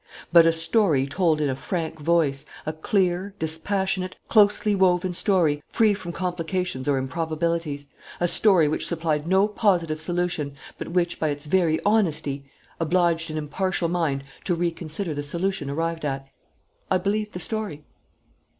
But a story told in a frank voice, a clear, dispassionate, closely woven story, free from complications or improbabilities, a story which supplied no positive solution, but which, by its very honesty, obliged any impartial mind to reconsider the solution arrived at. I believed the story."